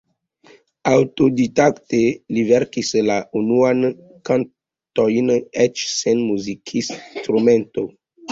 Aŭtodidakte li verkis la unuajn kantojn, eĉ sen muzikinstrumento.